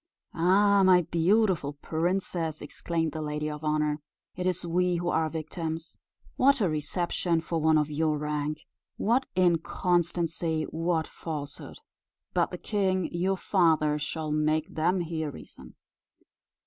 "Ah! my beautiful princess," exclaimed the lady of honour, "it is we who are victims. What a reception for one of your rank! what inconstancy what falsehood! But the king your father shall make them hear reason."